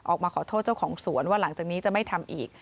ออกมาขอโทษเจ้าของสวนว่าหลังจากนี้จะไม่ทำอีก